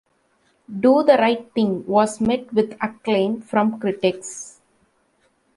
"Do the Right Thing" was met with acclaim from critics.